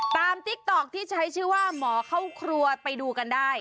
ติ๊กต๊อกที่ใช้ชื่อว่าหมอเข้าครัวไปดูกันได้